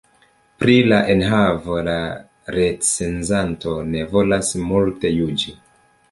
Pri la enhavo la recenzanto ne volas multe juĝi.